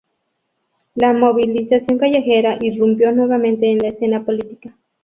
La movilización callejera irrumpió nuevamente en la escena política.